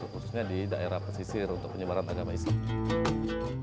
khususnya di daerah pesisir untuk penyebaran agama islam